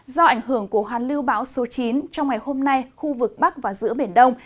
do ảnh hưởng của hoàn lưu bão số chín trong ngày hôm nay khu vực bắc và giữa biển đông